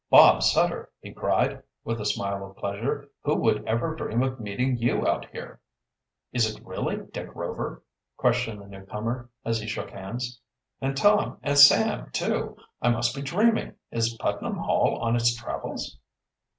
"Bob Sutter!" he cried, with a smile of pleasure. "Who would ever dream of meeting you out here?" "Is it really Dick Rover?" questioned the newcomer, as he shook hands. "And Tom and Sam, too! I must be dreaming. Is Putnam Hall on its travels?"